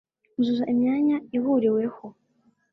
Uzuza imyanya ihuriweho